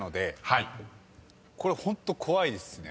これホント怖いですね。